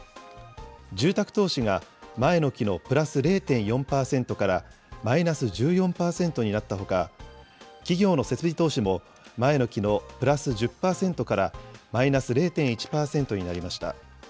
住宅投資が、前の期のプラス０．４％からマイナス１４％になったほか、企業の設備投資も、前の期のプラス１０％からマイナス０．１％になりました。